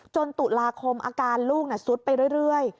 ตุลาคมอาการลูกซุดไปเรื่อย